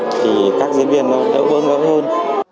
thì các diễn viên cũng rất là ưu ưu